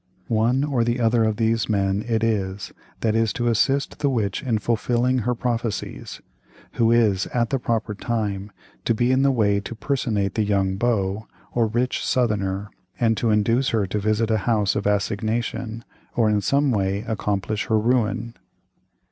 One or the other of these men it is that is to assist the witch in fulfilling her prophecies; who is, at the proper time, to be in the way to personate the 'young beau,' or 'rich southerner,' and to induce her to visit a house of assignation, or, in some way, accomplish her ruin.